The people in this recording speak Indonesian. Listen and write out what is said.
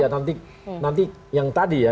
iya nanti nanti yang tadi ya